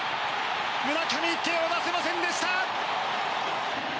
村上、手を出せませんでした。